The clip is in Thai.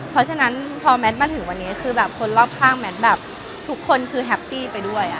เพราะฉะนั้นพอแมทมาถึงวันนี้คือแบบคนรอบข้างแมทแบบทุกคนคือแฮปปี้ไปด้วย